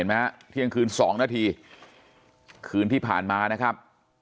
เที่ยงคืน๒นาทีคืนที่ผ่านมานะครับ